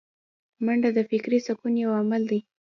منډه د فکري سکون یو عمل دی